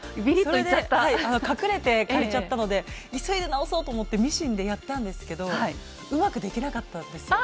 それで隠れて借りちゃったので急いで直そうと思ってミシンでやったんですけどうまくできなかったんですよね。